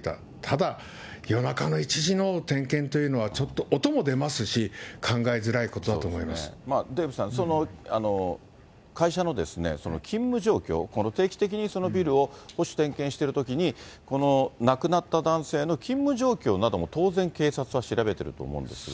ただ、夜中の１時の点検というのは、ちょっと、音も出ますし、考えづらデーブさん、会社の勤務状況、定期的にこのビルを保守点検してるときに、この亡くなった男性の勤務状況なども当然、警察は調べてると思うんですが。